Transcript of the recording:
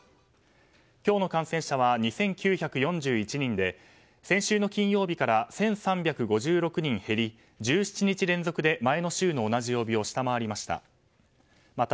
今日の感染者は２９４１人で先週の金曜日から１３５６人減り１７日連続で前の週の同じ曜日を下回りました。